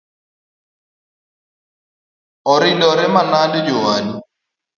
Oridore manade jowadu?